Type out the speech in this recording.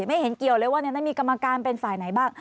ไม่เห็นเกี่ยวเลยว่าในนั้นมีกรรมการเป็นฝ่ายไหนบ้าง